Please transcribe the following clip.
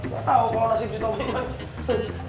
gak tau kalau nasib si tommy kan